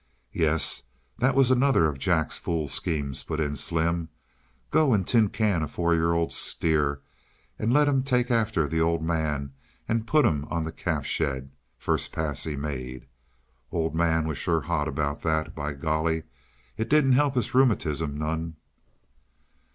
"Yes, that was another of Jack's fool schemes," put in Slim. "Go and tin can a four year old steer and let him take after the Old Man and put him on the calf shed, first pass he made. Old Man was sure hot about that by golly, it didn't help his rheumatism none."